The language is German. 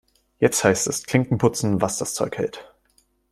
Jetzt heißt es Klinken putzen, was das Zeug hält.